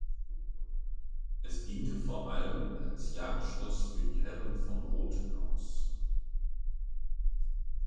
Es diente vor allem als Jagdschloss für die Herren "von Rothenhaus".